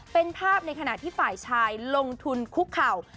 เป็นภาพในขณะที่ฝ่ายชายลงทุนคุกเข่า